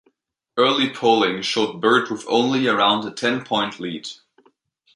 Early polling showed Byrd with only around a ten-point lead.